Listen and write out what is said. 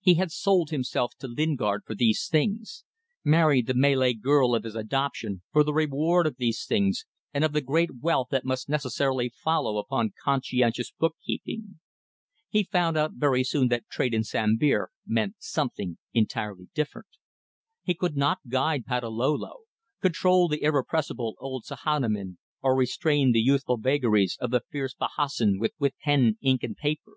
He had sold himself to Lingard for these things married the Malay girl of his adoption for the reward of these things and of the great wealth that must necessarily follow upon conscientious book keeping. He found out very soon that trade in Sambir meant something entirely different. He could not guide Patalolo, control the irrepressible old Sahamin, or restrain the youthful vagaries of the fierce Bahassoen with pen, ink, and paper.